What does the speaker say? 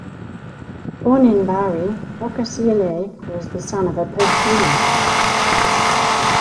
Born in Bari, Boccasile was the son of a perfumer.